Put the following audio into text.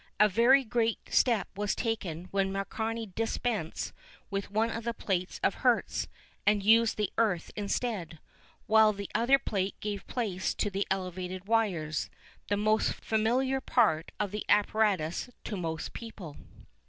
A very great step was taken when Marconi dispensed with one of the plates of Hertz, and used the earth instead; while the other plate gave place to the elevated wires, the most familiar part of the apparatus to most people.